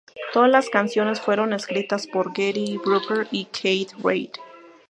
Todas las canciones fueron escritas por Gary Brooker y Keith Reid.